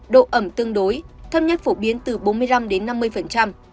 độ ẩm tương đối thấp nhất phổ biến từ bốn mươi năm đến năm mươi